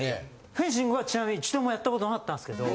フェンシングはちなみに一度もやったことなかったんですけど。